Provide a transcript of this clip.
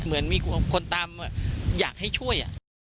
เหมือนมีคนตามอยากให้ช่วย